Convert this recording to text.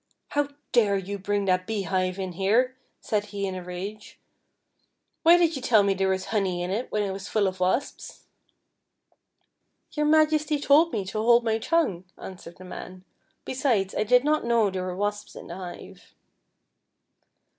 " How dare you bring that beehive in here?" said he in a rao e ;" why did you tell me there was honey in it when it was full of wasps ?"" Your Majesty told me to hold my tongue," an swered the man; "besides I did not know there were wasps in the hive."